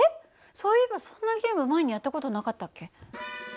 そういえばそんなゲーム前にやった事なかったっけ？